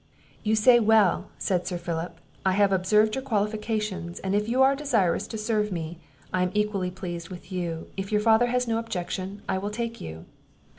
"You say well," said Sir Philip, "I have observed your qualifications, and if you are desirous to serve me, I am equally pleased with you; if your father has no objection I will take you."